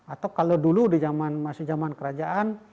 atau kalau dulu di jaman jaman kerajaan